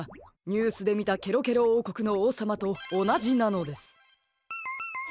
ニュースでみたケロケロおうこくのおうさまとおなじなのです。